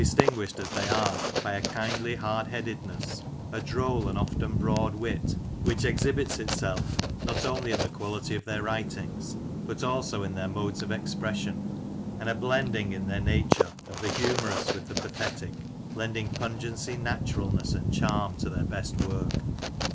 tinguished as they are by a kindly hard headedness, a droll and often broad wit which exhibits itself not only in the quality of their writings, but also in their modes of expression, and a blending in their nature of the humorous with the pathetic, lending pungency, naturalness, and charm to their best work.